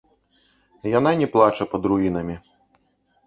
Яна не плача пад руінамі.